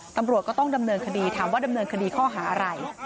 ตำรวจก็ต้องดำเนินคดีถามว่าดำเนินคดีข้อหาอะไร